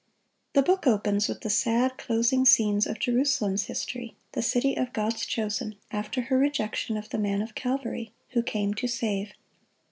The book opens with the sad closing scenes of Jerusalem's history, the city of God's chosen, after her rejection of the Man of Calvary, who came to save.